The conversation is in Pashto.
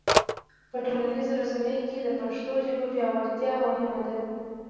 په ټولنیزو رسنیو کې د پښتو ژبې پیاوړتیا مهمه ده.